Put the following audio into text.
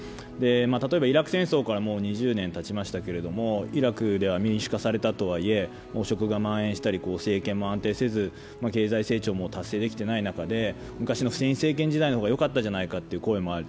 例えばイラク戦争からもう２０年たちましたけどイラクでは民主化されたとはいえ、汚職がまん延したり、政権も安定せず経済成長も達成できていない中で昔のフセイン政権時代の方がよかったじゃないかという声もある。